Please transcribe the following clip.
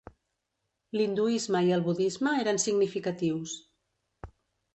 L'hinduisme i el budisme eren significatius.